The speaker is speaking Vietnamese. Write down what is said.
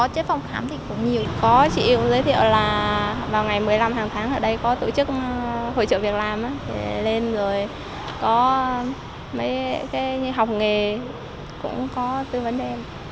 có tổ chức hỗ trợ việc làm có học nghề cũng có tư vấn đem